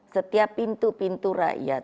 setiap pintu pintu rakyat